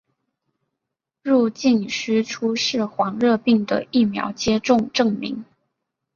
入境须出示黄热病的疫苗接种证明。